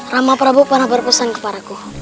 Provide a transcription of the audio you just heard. rama prabu pernah berpesan kepadaku